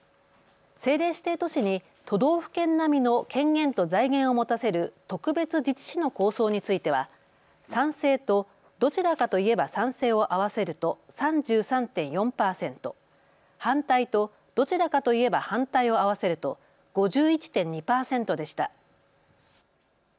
政令指定都市に都道府県並みの権限と財源を持たせる特別自治市の構想については賛成と、どちらかといえば賛成を合わせると３３．４％、反対と、どちらかといえば反対を合わせると５１．２％でした。